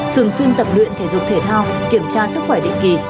thường xuyên tập luyện thể dục thể thao kiểm tra sức khỏe định kỳ